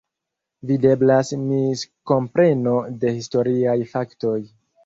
Videblas miskompreno de historiaj faktoj.